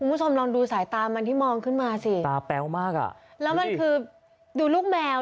คุณผู้ชมลองดูสายตามันที่มองขึ้นมาสิตาแป๊วมากอ่ะแล้วมันคือดูลูกแมว